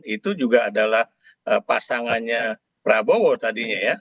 itu juga adalah pasangannya prabowo tadinya ya